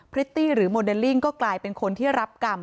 พริตตี้หรือโมเดลลิ่งก็กลายเป็นคนที่รับกรรม